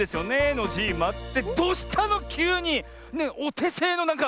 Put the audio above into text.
ノジーマ。ってどうしたのきゅうに⁉おてせいのなんか。